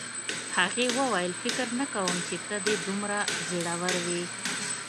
هغې وویل فکر نه کوم چې ته دې دومره زړور وې